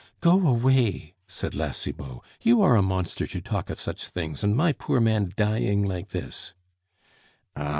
"Go away," said La Cibot. "You are a monster to talk of such things and my poor man dying like this " "Ah!